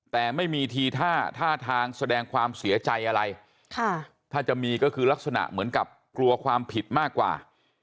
แต่ไม่มีทีท่าท่าทางแสดงความเสียใจอะไรถ้าจะมีก็คือลักษณะเหมือนกับกลัวความผิดมากกว่า